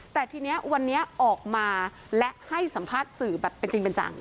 แต่ทีนี้วันนี้ออกมาและให้สัมภาษณ์สื่อแบบเป็นจริงเป็นจัง